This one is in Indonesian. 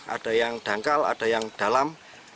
ada yang dangkal ada yang dalam